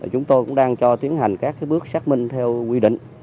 chúng tôi cũng đang cho tiến hành các bước xác minh theo quy định